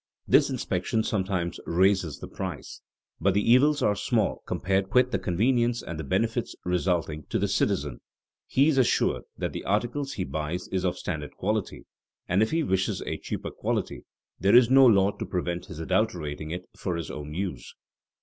This inspection sometimes raises the price, but the evils are small compared with the convenience and the benefits resulting to the citizen. He is assured that the article he buys is of standard quality, and if he wishes a cheaper quality there is no law to prevent his adulterating it for his own use.